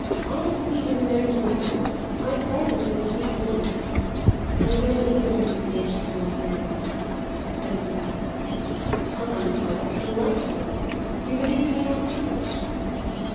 Ask the people who know me well; I've friends who'll speak for me." "I don't need the recommendation of your friends," said Isabel. "Ah now, that's delightful of you. You believe in me yourself."